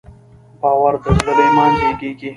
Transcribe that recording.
باور د زړه له ایمان زېږېږي.